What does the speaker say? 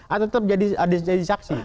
atau tetap jadi saksi